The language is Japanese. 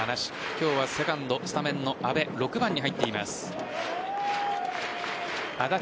今日はセカンド、スタメンの安達６番に入っています。